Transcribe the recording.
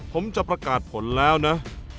ผมจะประกาศผลแล้วนะ